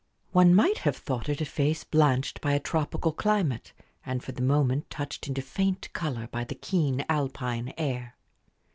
One might have thought it a face blanched by a tropical climate, and for the moment touched into faint color by the keen Alpine air.